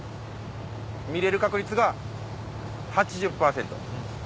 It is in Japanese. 見れる確率が８０％。